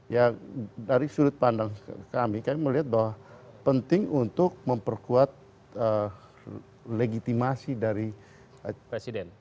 ya dari sudut pandang kami kami melihat bahwa penting untuk memperkuat legitimasi dari presiden